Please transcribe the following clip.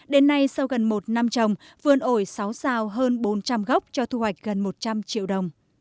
đến nay sau gần một năm trồng vườn ổi sáu sao hơn bốn trăm linh gốc cho thu hoạch gần một trăm linh triệu đồng